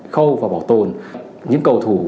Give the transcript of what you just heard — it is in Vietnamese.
khâu và bảo tồn những cầu thủ